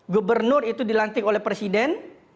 gubernur itu dilantik oleh presiden